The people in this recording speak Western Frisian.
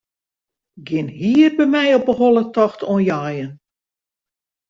Gjin hier by my op 'e holle tocht oan jeien.